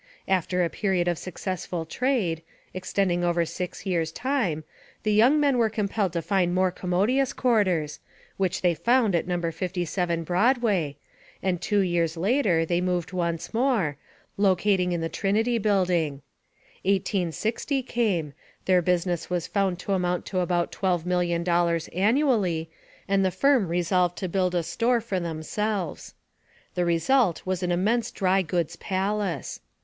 After a period of successful trade extending over six years' time, the young men were compelled to find more commodious quarters, which they found at No. 57 Broadway, and two years later they moved once more, locating in the Trinity Building. 1860 came, their business was found to amount to about $12,000,000 annually, and the firm resolved to build a store, for themselves. The result was an immense dry goods palace.